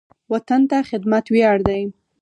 وطن ته خدمت ویاړ دی